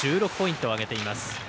１６ポイントを挙げてます。